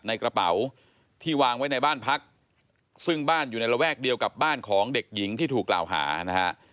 ในกระเป๋าที่วางไว้ในบ้านพักซึ่งบ้านอยู่ในระแวกเดียวกับบ้านของเด็กหญิงที่ถูกกล่าวหานะฮะ